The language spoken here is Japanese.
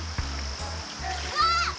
うわっ！